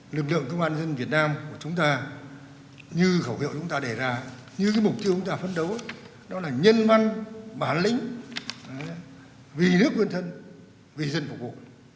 lực lượng công an dân việt nam của chúng ta như khẩu hiệu chúng ta đề ra như mục tiêu chúng ta phấn đấu đó là nhân văn bản lĩnh vì nước quên thân vì dân phục vụ